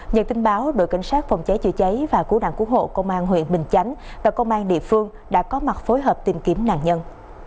nhận tin báo đội cảnh sát phòng cháy chữa cháy và cứu nạn cứu hộ công an huyện bình chánh và công an địa phương đã có mặt phối hợp tìm kiếm nạn nhân